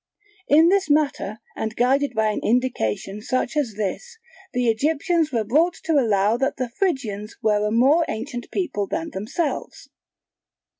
In this manner and guided by an indication such as this, the Egyptians were brought to allow that the Phrygians were a more ancient people than themselves.